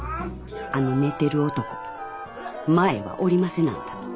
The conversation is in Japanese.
あの寝てる男前はおりませなんだ。